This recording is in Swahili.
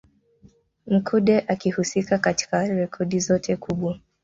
Mkude akihusika katika rekodi zote kubwa